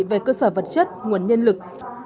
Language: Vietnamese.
về cơ sở vật chất nguồn nhân lực